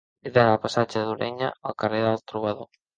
He d'anar del passatge d'Ureña al carrer del Trobador.